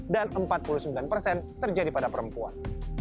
dan empat puluh sembilan persen terjadi pada perempuan